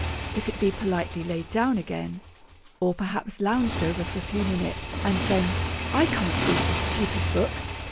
If it be politely laid down again, or perhaps lounged over for a few minutes, and then, 'I can't read this stupid book!